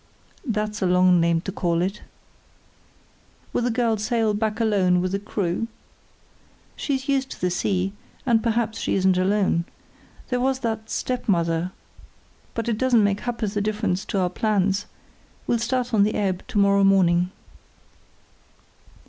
"That's a long name to call it." "Would the girl sail back alone with the crew?" "She's used to the sea—and perhaps she isn't alone. There was that stepmother—— But it doesn't make a ha'porth of difference to our plans; we'll start on the ebb to morrow morning."